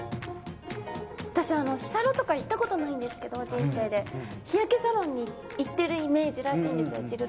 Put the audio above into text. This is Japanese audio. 私人生で日サロとか行ったことないんですけど日焼けサロンに行っているイメージらしいんですよ。